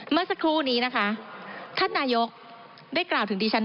เมื่อสักครู่นี้นะคะท่านนายกได้กล่าวถึงดิฉัน